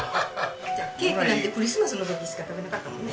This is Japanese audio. ケーキなんてクリスマスの時しか食べなかったもんね。